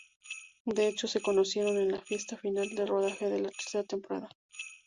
De hecho se conocieron en la fiesta final de rodaje de la tercera temporada.